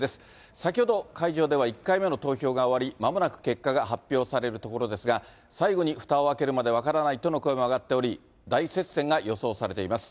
先ほど、会場では１回目の投票が終わり、まもなく結果が発表されるところですが、最後にふたを開けるまで分からないとの声も上がっており、大接戦が予想されています。